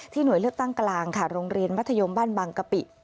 หน่วยเลือกตั้งกลางค่ะโรงเรียนมัธยมบ้านบางกะปิ